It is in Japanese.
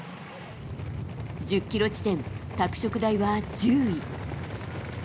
１０ｋｍ地点、拓殖大は１０位。